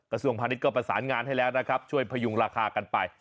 กระทรวงพาณิชยก็ประสานงานให้แล้วนะครับช่วยพยุงราคากันไป